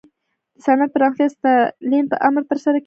د صنعت پراختیا د ستالین په امر ترسره کېده.